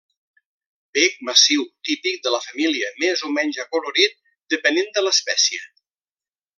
Bec massiu, típic de la família, més o menys acolorit, depenent de l'espècie.